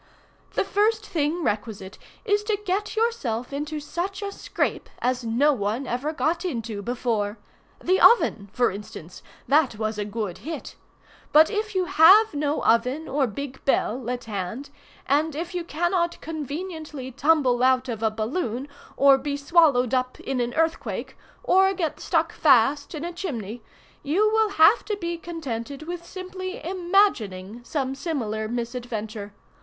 "The first thing requisite is to get yourself into such a scrape as no one ever got into before. The oven, for instance,—that was a good hit. But if you have no oven or big bell, at hand, and if you cannot conveniently tumble out of a balloon, or be swallowed up in an earthquake, or get stuck fast in a chimney, you will have to be contented with simply imagining some similar misadventure.